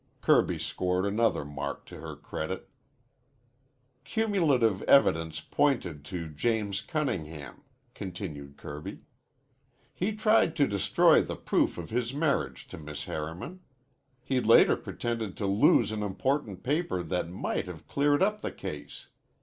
Kirby scored another mark to her credit. "Cumulative evidence pointed to James Cunningham," continued Kirby. "He tried to destroy the proof of his marriage to Miss Harriman. He later pretended to lose an important paper that might have cleared up the case.